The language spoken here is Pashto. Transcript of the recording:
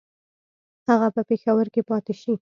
هغه په پېښور کې پاته شي.